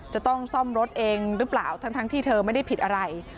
จะต้องซ่อมรถเองหรือเปล่าทั้งที่เธอไม่ได้ผิดอะไร